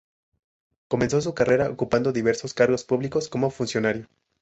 Comenzó su carrera ocupando diversos cargos públicos como funcionario.